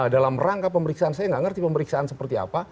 dalam rangka pemeriksaan saya nggak ngerti pemeriksaan seperti apa